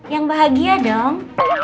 yang bahagia dong